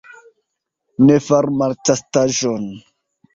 Ne faru malĉastaĵon.